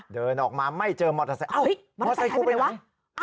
เดินออกมาไม่เจอมอเตอร์ไซต์โอ๊ยมอเตอร์ไซต์ขายไปไหนวะ